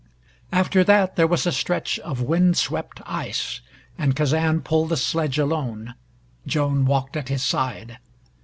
After that there was a stretch of wind swept ice, and Kazan pulled the sledge alone. Joan walked at his side.